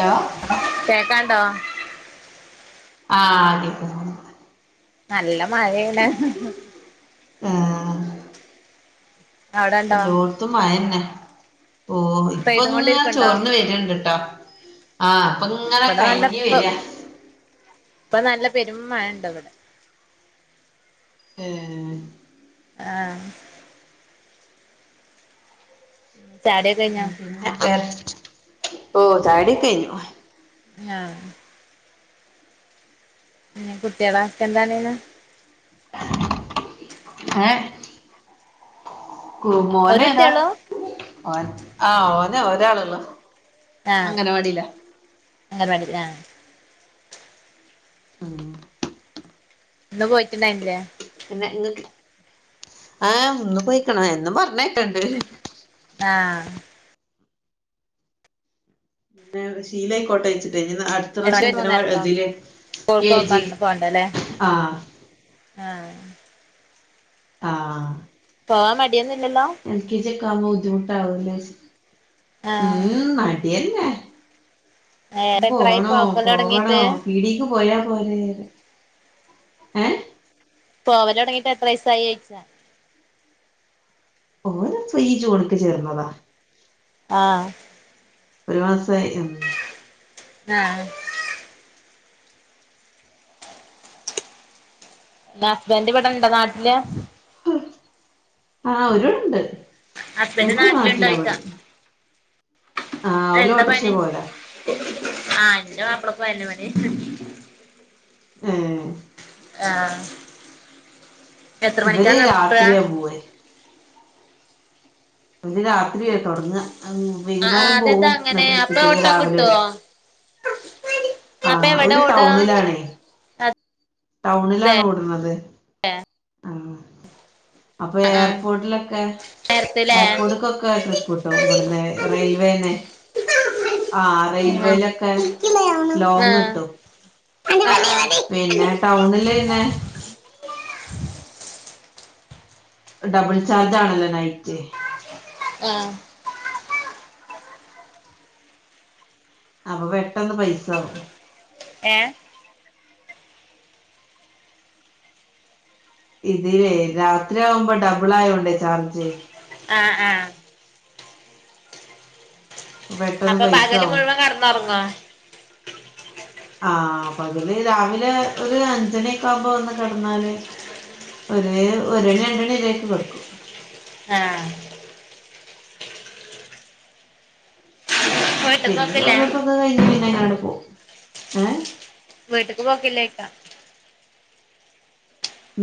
Hello കേക്കാണ്ടോ ആഹ് കേക്ക് നല്ല മഴേണ്. ആഹ് അവിടെണ്ടോ എല്ലോട്ത്തും മയെന്നെ പെയ്തും ഇപ്പൊങ്ങനും കൊണ്ടിരിക്കണ്ടോ ചോർന്ന് വര്ണണ്ട്ട്ടാ ആഹ് അപ്പ ഇങ്ങനെ ഇവിടെ കയിഞ്ഞ് വെരാ ഇപ്പം നല്ല പെരും മഴണ്ട് ഇവടെ ഏഹ് ആഹ് [unintelligible] ഉം പിന്നെ വേറെ ഓ ചായുടി ഒക്കെ കയിഞ്ഞു ആഹ് പിന്നെ കുട്ടിയാളൊക്ക എന്താണേനു ഏഹ് കു മോന് ഒരു ഇതാ കുട്ടിയള്ളൂ ഓൻ ആ ഓന് ഒരാളൊള്ളൂ ആഹ് അങ്ങൽവാടി ആഹ് ഉം ഇന്ന് പോയിട്ട്ണ്ടായിന്നില്ലേ പിന്നെ ഇങ്ങക്ക് ആഹ് ഇന്ന് പോയിക്ക്ണ് എന്നും പറഞ്ഞയ്ക്ക്ണ്ട് ആഹ് പിന്നെ ശീലായിക്കോട്ടെച്ചിട്ടെ ഇഞ്ഞി അ എത്ര ത്തപ്രാശ്യം അങ്കനവാ മൂന്നരക്കോ ഇതില് കെ സ്കൂൾക്കൊക്കെ ജി പോണ്ടല്ലേ ആഹ് ആഹ് ആഹ് പോവാൻ മടിയൊന്നുല്ലല്ലോ എൽ കെ ജി ഒക്കെ ആമ്പോ ബുദ്ധിമുട്ടാവൂലേച്ച് ആഹ് ഉം മടിയെന്നെ ഏറെ ഇപ്പൊ എത്രായി പോണോ പോക്കല് പോവണോ തുടങ്ങീട്ട് പിടീക്ക് പോയാ പോരെ ഏ പോവലോടങ്ങീട്ട് എത്ര ഈസായി ചോയ്ച്ച ഓന് ഇപ്പോ ഈ ജൂൺക്ക് ചേർന്നതാ ആഹ് ഒരു മാസായി ആഹ് ഹസ്ബന്റ് ഇവടെണ്ടോ നാട്ടില് ആഹ് ഓര് ഇവെടെണ്ട് ഹസ്ബൻഡ് ഓൽക്ക് ഇവ്ടെ നാട്ടിലാ നാട്ടിലുണ്ടോയിക്കാ പണി ആഹ് ഓല് എന്താ ഓട്ടർഷേ പണി പോവലാ ആഹ് ഇന്റെ മാപ്പൾക്കും അയെന്നേ പണി ഏഹ് ആഹ എത്ര മണിക്കാ ഇവര് നിർത്ത രാത്രിയാ പോവേ ഓര് രാത്രിയാ തൊടങ്ങ ആഹ് വൈകുന്നേരം അതെന്താ പോവും അങ്ങനെ എന്നിട്ട് അപ്പൊ പിറ്റേന്ന് ഓട്ടം രാവിലെ ഇവിടെ കിട്ടുവോ അപ്പൊ ആഹ് എവിടെ ഓല് ഓടാ ടൗണിലാണ് അതെ ടൗണിലാണ് ഓട്ണത് ആഹ് അപ്പൊ ആഹ് ആഹ് എയർപോർട്ടിലൊക്കെ നേരത്തെല്ലേ എയർപോർട്ട്ക്കൊക്കെ ട്രിപ്പ് കിട്ടും ആഹ് ഇവിടുന്ന് റെയിവേന്ന് ആഹ് ആഹ് റെയിൽവേലൊക്കെ ലോങ് കിട്ടും ആഹ് ആഹ് പിന്നെ ടൗണില് പിന്നെ ഡബിൾ ചാർജ് ആണല്ലോ നൈറ്റ് ആഹ് അപ്പൊ പെട്ടെന്ന് പൈസ ആവും ഏഹ് ഇതിലേ രാത്രി ആവുമ്പോ ഡബിൾ ആയോണ്ടേ ചാർജ് ആഹ ആഹ പെട്ടെന്ന് അപ്പൊ പൈസ പകല് ആവും മുഴുവൻ കെടന്നൊറങ്ങോ ആഹ് പ്പകല് രാവിലെ ഒരു അഞ്ചണിക്കാവുമ്പോ വന്ന് കെടന്നാല് ഒര് ഒരണി രണ്ടണി വരേക്ക് കെട്ക്കും ആഹ് വീട്ട്ക്ക് പിന്നെ പോക്കില്ലേ ചോറെയ്പ്പൊക്കെ കഴിഞ്ഞ് പിന്നെ അയ് നാണ്ട് പോവും ഏഹ് വീട്ടിക്ക് പോക്കില്ലേയ്ക്ക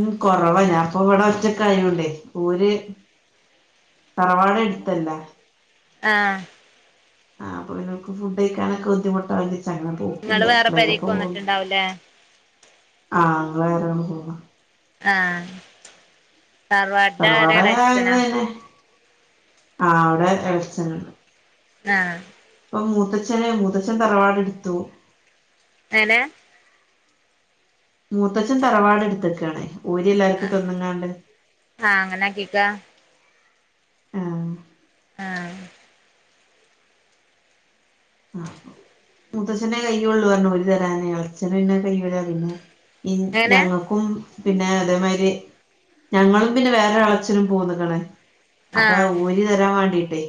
ഉം കൊറവാ ഞാൻ പ്പൊ ഇവടെ ഒറ്റക്കായോണ്ടേയ് ഓല് തറവാട് എട്ത്തല്ലാ ആഹ് ആഹ് അപ്പൊ പിന്നെ ഓല്ക്ക് ഫുഡ് കഴിക്കാനൊക്കെ ബുദ്ധിമുട്ടാഹ് ന്നിച്ച അങ്ങനെ നിങ്ങള് പോക്കില്ല വേറെ പെരേക്ക് അപ്പളേലൊക്കെ പോവും വന്നിട്ടുണ്ടാവൂലേ ആഹ് അങ്ങളെ വെരെന്ന് പോകും ആഹ് തറവാട്ടില് ആരാ തറവാട് [unintelligible] എളച്ചനാ അയ്‌ന് [unintelligible] ആഹ് അവ്ടെ എളച്ചന് ആഹ് ഇപ്പൊ മൂത്തച്ഛന് മൂത്തച്ഛൻ തറവാട് ട്ത്തു എനെ മൂത്തച്ഛൻ തറവാട് എടുത്തക്കാണ് ഓരി എല്ലാര്ക്കും തന്ന്ങ്ങാണ്ട് ആഹ് അങ്ങനെ ആകികാ ആഹ് ആഹ് അഹ് അപ്പൊ മുത്തച്ഛനേ കയ്യൊള്ളു പറഞ്ഞു ഓരി തെരാന്. എളച്ചൻ പിന്നെ കയ്യൂല അന്ന് ഇൻ എങ്ങനെ ഞങ്ങക്കും പിന്നെ അതേമാരി ഞങ്ങളും പിന്നെ വേറൊരെളച്ചനും പോന്ന്ക്ക്ണ് അപ്പെ ആഹ് ഓരി തരാൻ വാണ്ടിട്ടേയ്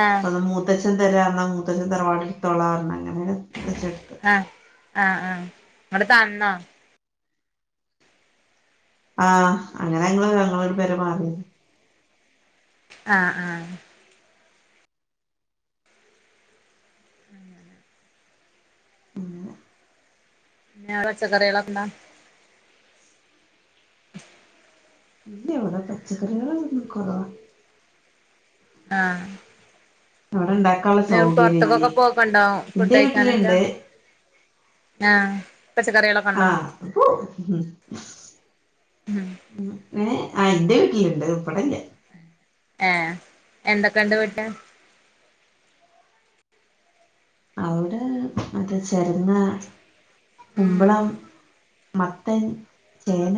ആഹ് അപ്പത് മൂത്തച്ഛൻ തരാറഞ് മൂ ത്തച്ചൻ തറവാട് ട് ത്തോളാർഞ് അങ്ങനേ ത്തച്ഛട്ത്ത് ആഹ് ആഹ് ആഹ് ഇങ്ങട് തന്നോ ആഹ് അങ്ങനെ ഞങ്ങള് വേറൊരു പെര മാറി ആഹ് ആഹ് അങ്ങനെ ന്നേറ ച്ചകറിയേളെന്താ [inaudible] ഇല്ല ഇവിടെ പച്ചക്കറികളങ്ങനെ ഒന്നും കൊറവാ ആഹ് അവ്ടെണ്ടാ ന്നെ ങ്ങ പൊർത്ത്ക്കൊക്കെ പോക്ക്ണ്ടോ എന്റെ ഫുഡ്ഡഴിക്കാനൊക്കെ വീട്ടിലുണ്ട് ആഹ് പച്ചക്കറിയാളൊ ആഹ് അത് പോ [unintelligible] ഉം ഏഹ് ആഹ് എന്റെ വീട്ടില് ണ്ട് ഉപ്പടെ ല്ല്യ ഏഹ് എന്തെക്കെണ്ട് വീട്ട് അവ്ടെ മറ്റേ ചെരങ്ങാ ഉം കുമ്പളം മത്തൻ, ചേന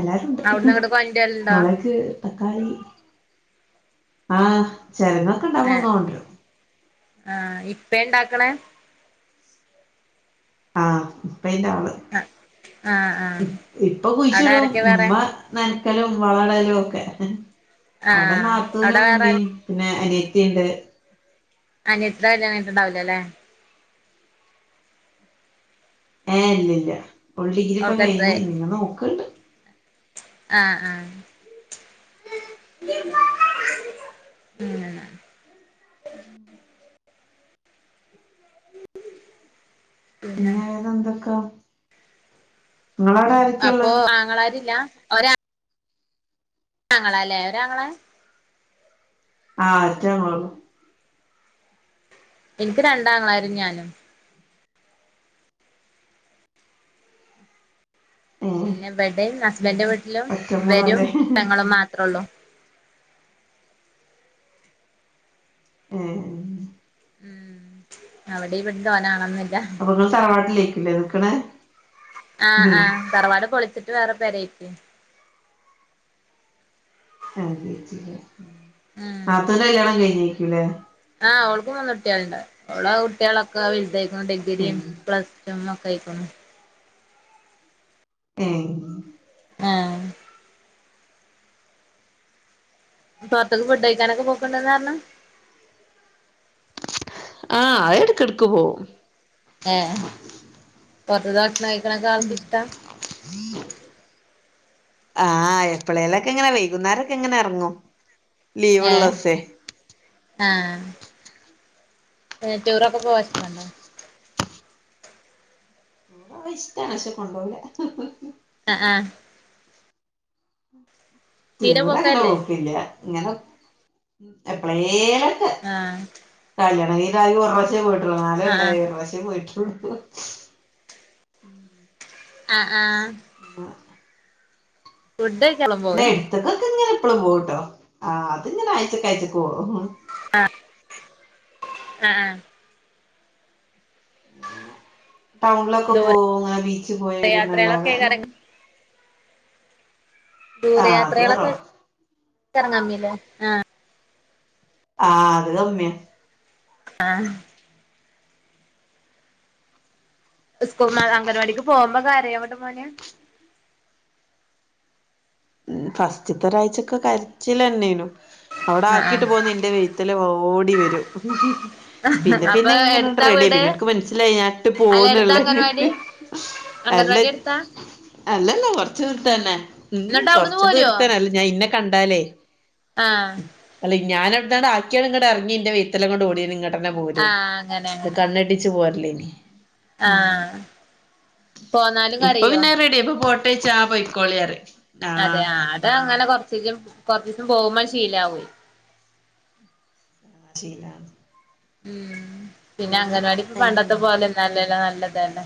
എല്ലാരുണ്ട്. അവിട്ന്ന് ഇങ്ങട്ട് കൊണ്ടരലുണ്ടോ മൊളക് തക്കാളി ആഹ് ഏഹ് ചെരങ്ങൊക്കെണ്ടാവുമ്പോക്കെ കൊണ് ണ്ട്രും ആഹ് ഇപ്പേ ണ്ടാക്ക്ണ് ആഹ് ഇപ്പേയ്ന്റാള് ആഹ് ആഹ് ഇ ആഹ് ഇപ്പ അവിടെ കുഴ്‌ചിടും ആരൊക്കെ വേറെ ഇമ്മ ന്നൻക്കലും വളടലും ഒക്കെ അവിടെ ആഹ് അവിടെ വേറെ ആര് നാത്തൂനുമ്മീം പിന്നെ അനിയത്തിണ്ട് അനിയത്ത് ടെ കല്യാണം കഴിഞ്ഞിട്ട് ണ്ടാവൂലല്ലേ ഏഹ് ഇല്ലില്ല ഓള് ഡിഗ്രി ഇപ്പ അവൾക്ക് കഴിഞ്ഞ് എത്രയാ ഞ്ഞിങ്ങ നോക്ക്ണ്ട് ആഹ് ആഹ് [unintelligible] അങ്ങനെ പിന്നെ ന്നെന്തെക്കെ അപ്പോ ആങ്ങളാരില്ലാ, ഒരാ ആങ്ങളാ ലേ, ഒരാങ്ങളെ? ആഹ് ഒറ്റൊന്നൊള്ളൂ ഇൻക്ക് രണ്ടാങ്ങളാരും ഞാനും. ഏ പിന്നെ വടെം, ഹസ്ബൻഡ്ന്റെ വീട്ടിലും, ഇവരും ഒറ്റമോളല്ലേ പെങ്ങളും മാത്രൊള്ളു. ഏഹ് അവടിം ഇവടിം തോനാളൊന്നൂല്ല. നിങ്ങള് തറവാട്ടിലെയ്ക്കുലേ നിക്ക്ണെ ആഹ് ആഹ്, തറവാട് പൊളിച്ചിട്ട് വേറെ പെരെയ്റ്റീണ്. ഉം നാത്തൂന്റെ കല്ല്യാണം കയ്ഞ്ഞേക്കുലേ ആഹ് ഓൾക്ക് മൂന്നുട്ട്യാള്ണ്ട്. ഓളെ ആ കുട്ട്യാളൊക്കെ വൽതായ് ഉം ഡിഗ്രിം, പ്ലസ്ടും ഒക്കെ അയ്ക്ക്ണു. ഏഹ് ഏഹ് പൊർത്ത്ക്ക് ഫുഡ്ഡയ്ക്കാനൊക്കെ പോക്ക്ണ്ട് ന്നാ പർഞ്ഞെ ആഹ് അതെട്ക്കട്ക്ക് പോവും. ഏഹ്, പൊർത്ത്ന്ന് ഭക്ഷണം കഴിക്ക്ണൊക്കെ ആൾക്ക് ഇഷ്ടാ? [inaudible] ആഹ് ആഹ് എപ്പളേലൊക്കെ ഇങ്ങനെ വൈകുന്നേരൊക്കെ ഇങ്ങനെ എറങ്ങും. ലീവ്ള്ള ഏഹ് ദിവ്സെ ആഹ് ഏ ടൂറൊക്കെ പോവല്ണ്ടോ? ഇഷ്ടാണ് പക്ഷെ കൊണ്ടോവൂല അ ആഹ് തീരെ ടൂറങ്ങനെ പോക്കല്ലേ പോക്കില്ല. ഇങ്ങനെ എപ്പളേലൊക്കെ ആഹ് കല്യാണം കയ്ഞ്ഞാകെ ഒര് പ്രാശ്യേ പോയിട്ടൊള്ളു, നാല് ആഹ് ആഹ് കൊല്ലായി ഒര് പ്രാവശ്യേ പോയിട്ടുള്ളു അ ആഹ് അ ഫുഡ്ഡയ്ക്കാ [unintelligible] ല്ലം പോവേ പൊർത്ത്ക്കൊക്കെങ്ങനെ എപ്പളും പോവുട്ടോ. ആഹ് അത്ങ്ങനെ ആയ്ച്ചക്കായ്ച്ചക്ക് പോവും. ആഹ് അ ആഹ് ടൗണ്ലൊക്കെ ദൂര പോവൂ, ആ ബീച്ച് പോയി യാത്രകളൊക്കെ വരുന്നല്ലാതെ കറങ്ങി ആഹ് അത് ദൂരയാത്രകളൊക്കെ കൊറവാ [unintelligible] പർഞ്ഞീലെ, ആഹ് ആഹ് അത് കമ്മ്യാ. ആഹ് സ്കൂ മഴ അംഗൻവാടീക്ക് പോകുമ്പൊ കരയാവ്ട്ടൊ മോന് ഉം ഫസ്റ്റ്ത്തെ ഒരാഴ്ചൊക്കെ കര്ച്ചിലെന്നേനു. അവ്ടെ ആഹ് ആഹ് ആക്കീട്ട് പോന്നാ ഇന്റെ വെയ്ത്തലെ ഓടി വരും. പിന്നെ അപ്പൊ പിന്നെ ഇങ്ങനെ എടുത്താ റെഡി ആയി. വീട് പിന്നെൻക്ക് മനസ്സിലായി ഞാൻ ട്ട് അല്ല എടുത്താ പോവുന്നുള്ളത് അംഗൻവാടി അല്ല അംഗൻവാടി എടുത്താ അല്ലല്ല കൊർച്ച് ദൂര്ത്തന്നെ. ഉം എന്നിട്ട് അവിടുന്ന് കൊർച്ച് പോരുവോ ദൂര്ത്തന്നെ അല്ല ഞാ ഇന്നെ കണ്ടാലേയ് ആഹ് അല്ലെ ഞാനവ്ട്ന്നണാക്ക്യാല്, ഇങ്ങട്ടർങ്ങി ഇന്റെ വെയർത്തലെങ്ങട് ഓടി വെരും ങ്ങ ട്ടെന്നെ പോരും. ആഹ് അങ്ങനെ ഇത് അങ്ങനെ കണ്ണെട്ടിച്ച് പോരലേനി ആഹ് പോന്നാലും ഇപ്പ കരയോ പിന്നെ റെഡ്യായി, ഇപ്പം പോട്ടേയ്ച്ചാ ആഹ് പൊയ്ക്കോളി പറിം. അതെ ആഹ്, അത് അങ്ങനെ കൊർച്ചീസം കൊർച്ച്ചീസം പോവുമ്പണ് ശീലാവോയ്. ആഹ് ശീലാവും. ഉം. പിന്നെ അംഗലവാടി ഇപ്പ പണ്ടത്തെ അയിന് പോലെന്നല്ലല്ലോ നല്ലതല്ലെ.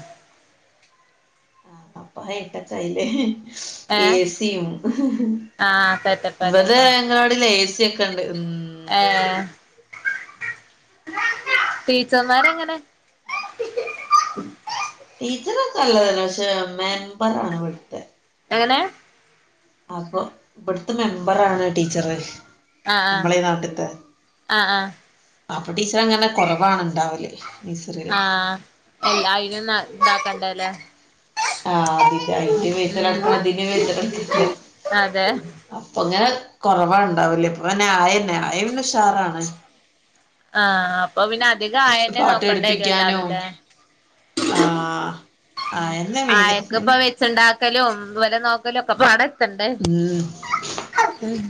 ആഹ് അപ്പൊ ഹൈടെക്കായിലെ. ഏ ഏഹ് സിം, ആഹ് ഇവ്ടെ സെറ്റപ്പല്ലപ്പ അംഗൻവാടീല് ഏ സ്യൊക്കെ ക്കെണ്ട് ഉം. ഏഹ്, ടീച്ചർമാര്ങ്ങനെ ടീച്ചറൊക്കെ നല്ലതന്നെ പക്ഷെ മെമ്പറാണ് ഇവിടുത്തെ- എങ്ങനെ? അപ്പൊ ഇവിടുത്തെ മെമ്പറാണ് ടീച്ചറേ - ആഹ് നമ്മളെ നാട്ടത്തെ ആഹ് ആഹ് അപ്പൊ ടീച്ചറ് അങ്ങനെ കുറവാണ് ഉണ്ടാവല് [unintelligible] ആഹ് ആഹ് അയിനും നല്ല ഇതാക്കണ്ടല്ലേ ആഹ് അതിന്റെ അയിന്റെ വെയ്താ [unintelligible] ലടക്കണം ഉം ഇതിന്റെ വെയ്താ [unintelligible] ലടക്കണം. അതെ ഇപ്പൊ അങ്ങനെ കൊറവാ ഉണ്ടാവല് അപ്പൊ പിന്നെ ആയന്നെ ആയ പിന്നെ ഉഷാറാണ്. ആഹ് അപ്പൊ പിന്നെ അധികം ആയന്നെ പാട്ട് നോക്കേണ്ടേതില്ല പഠിപ്പിക്കാനും എല്ലാതും. ആഹ് ആയ ആയക്ക്‌ ഇപ്പ വെച്ച്ണ്ടാക്കലും ഇവലെ നോക്കലും ഒക്കെ പാടെ എത്തണ്ടേ ഉം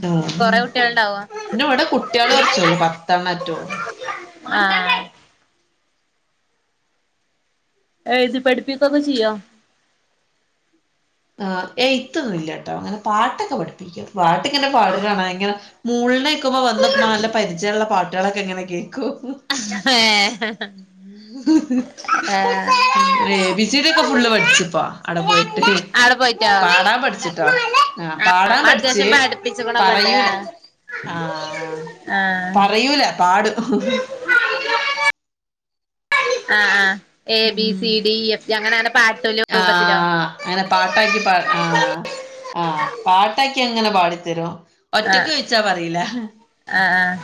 ആഹ് കൊറെ കുട്ടികളുണ്ടാവോ പിന്നെ ഇവിടെ കുട്ടികള് കൊറച്ചേള്ളൂ പത്ത്ണ്ണ മറ്റുള്ളൂ ആഹ് എഴുതി പഠിപ്പിക്കൊക്കെ ചെയ്യൊ എയ്തൊന്നുംയില്ലാട്ടോ അങ്ങനെ പാട്ടൊക്കെ പഠിപ്പിക്കും പാട്ടിങ്ങനെ പാടണ കാണാ ഇങ്ങനെ - മൂളിനെ കേക്കുമ്പോ വന്ന് നല്ല പരിചയുള്ള പാട്ടാളൊക്കെയി ങ്ങനെ കേക്കും ഏഹ് ഏഹ് എ ബി സി ഡി ഒക്കെ ഫുള്ള് പഠിച്ച് ഇപ്പൊ അവടെ പോയിട്ട് ആടെ പോയിട്ടോ പാടാൻ ആഹ് പഠിച്ചു ട്ടോ ആഹ് പാടാൻ അപ്പൊ പഠിച്ച് അത്യാവശ്യം പഠിപ്പിച്ചുക്കണൊക്കെണ്ട് പറയൂല. ആഹ് ആഹ് ആഹ് പറയൂല പാടും. ആഹ് ആഹ് എ ബി ഉം C D E F G അങ്ങനെ അങ്ങനെ പാട്ടിലെ ആ രൂപത്തിലോ അങ്ങനെ പാട്ടാക്കി പ ആഹ് ആഹ് പാട്ടാക്കി അങ്ങനെ പാടിത്തരുവോ ഒറ്റക്ക് ആഹ് ചോദിച്ചാ പറയില ആഹ്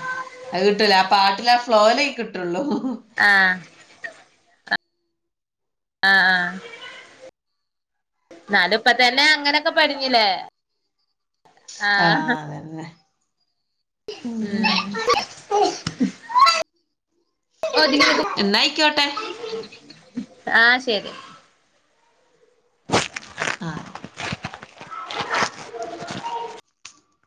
അത് കിട്ടൂല ആ പാട്ടിലെ ആ ഫ്ലോലെ കിട്ടുള്ളൂ. ആഹ് ആഹ് ആഹ് ഇന്നാലും ഇപ്പതന്നെ അങ്ങനൊക്കെ പടിഞ്ഞില്ലേ ആഹ് അത് തന്നെ ഉം എന്നാ ആയിക്കോട്ടെ ആഹ് ശരി ആഹ്